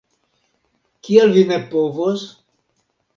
Kial vi ne povos?